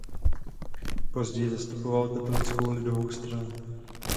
Později zastupoval Katolickou lidovou stranu.